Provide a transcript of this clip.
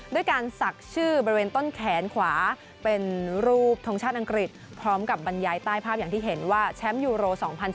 ด้วยการศักดิ์ชื่อบริเวณต้นแขนขวาเป็นรูปทรงชาติอังกฤษพร้อมกับบรรยายใต้ภาพอย่างที่เห็นว่าแชมป์ยูโร๒๐๑๙